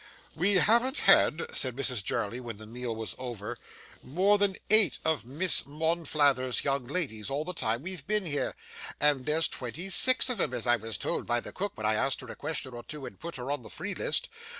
'We haven't had,' said Mrs Jarley when the meal was over, 'more than eight of Miss Monflathers's young ladies all the time we've been here, and there's twenty six of 'em, as I was told by the cook when I asked her a question or two and put her on the free list.